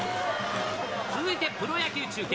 続いてプロ野球中継。